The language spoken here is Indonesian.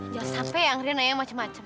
jangan sampe yang ria nanya macem macem